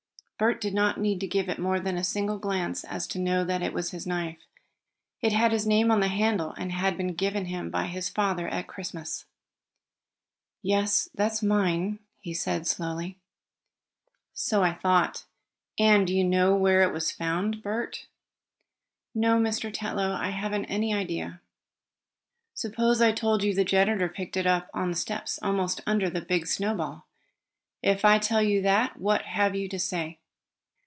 Bert did not need to give more than a single glance at it to know that it was his knife. It had his name on the handle and had been given him by his father at Christmas. "Yes, that's mine," he said slowly. "So I thought. And do you know where it was found, Bert?" "No, Mr. Tetlow, I haven't any idea." "Suppose I told you the janitor picked it up on the steps almost under the big snowball? If I tell you that what have you to say?"